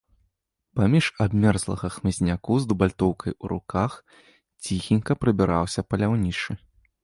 Паміж абмерзлага хмызняку з дубальтоўкай у руках ціхенька прабіраўся паляўнічы.